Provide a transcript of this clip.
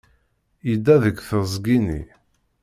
Yedda deg teẓgi-nni.